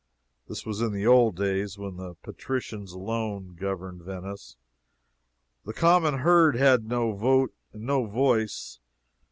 This was in the old days when the Patricians alone governed Venice the common herd had no vote and no voice.